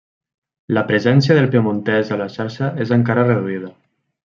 La presència del piemontès a la xarxa és encara reduïda.